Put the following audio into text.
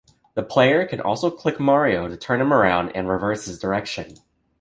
The player can also click Mario to turn him around and reverse his direction.